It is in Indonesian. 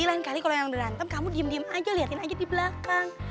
lain kali kalau yang berantem kamu diem diem aja liatin aja di belakang